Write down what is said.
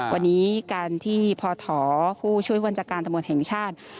วันนี้การที่พอถอผู้ช่วยวัญชาการตำรวจแห่งชาติ